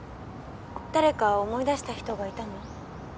誰か思い出した人がいたの？